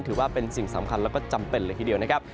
ถือว่าเป็นสิ่งสำคัญแล้วก็จำเป็นเลยทีเดียวนะครับ